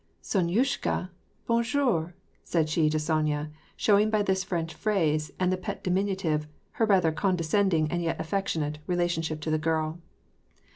Sonyushka, bon jour ?" said she to Sonya, showing by this French phrase and the pet diminutive her rather condescend ing and yet affectionate, relationship to the girl.